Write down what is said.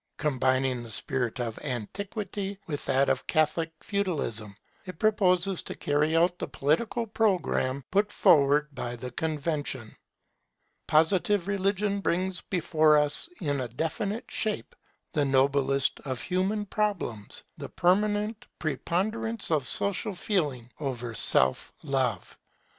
Combining the spirit of antiquity with that of Catholic Feudalism, it proposes to carry out the political programme put forward by the Convention. Positive religion brings before us in a definite shape the noblest of human problems, the permanent preponderance of Social feeling over Self love.